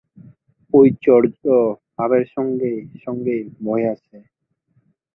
ঐশ্বর্য-ভাবের সঙ্গে সঙ্গেই ভয় আসে।